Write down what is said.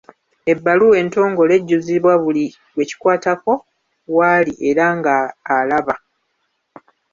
Ebbaluwa entongole ejjuzibwa buli gwekikwatako waali era nga alaba.